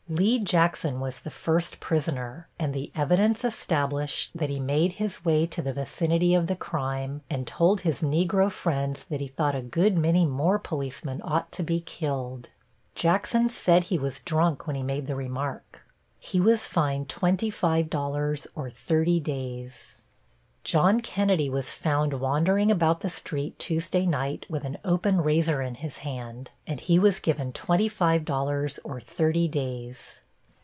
Lee Jackson was the first prisoner, and the evidence established that he made his way to the vicinity of the crime and told his Negro friends that he thought a good many more policemen ought to be killed. Jackson said he was drunk when he made the remark. He was fined $25 or thirty days. John Kennedy was found wandering about the street Tuesday night with an open razor in his hand, and he was given $25 or thirty days.